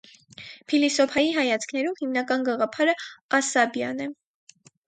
Փիլիսոփայի հայացքներում հիմնական գաղափարը «ասաբիան» է։